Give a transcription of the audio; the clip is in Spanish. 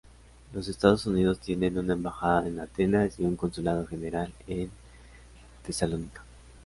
Los Estados Unidos tienen una embajada en Atenas y un consulado general en Tesalónica.